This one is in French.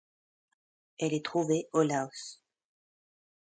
Elle est trouvée au Laos.